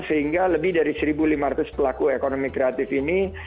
sehingga lebih dari satu lima ratus pelaku ekonomi kreatif ini